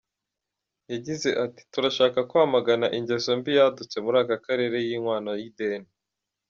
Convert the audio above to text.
Yagize ati “Turashaka kwamagana ingeso mbi yadutse muri aka karere y’inkwano y’ideni.